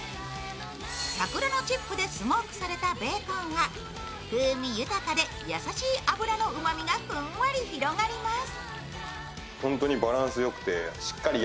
桜のチップでスモークされたベーコンは風味豊かで優しい脂の甘みがふんわり広がります。